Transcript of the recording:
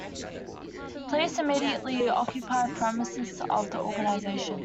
Police immediately occupied premises of the organisation.